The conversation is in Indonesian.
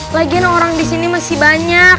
lagian orang disini masih banyak